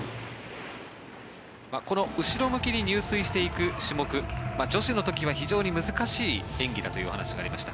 この後ろ向きに入水していく種目女子の時は非常に難しい演技だというお話がありました。